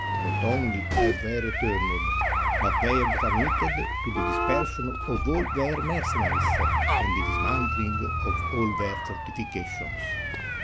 "Not only have they returned, but they have sub mitted to the dispersion of all their mercenaries and the dismantHng of all their fortifications.